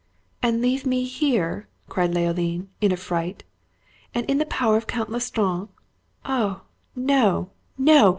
"And leave me here?" cried Leoline, in affright, "and in the power of Count L'Estrange? Oh! no, no!